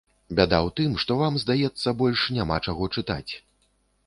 Бяда ў тым, што вам, здаецца, больш няма чаго чытаць.